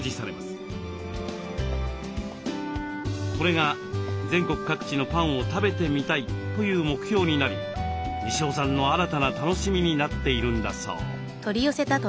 これが「全国各地のパンを食べてみたい」という目標になり西尾さんの新たな楽しみになっているんだそう。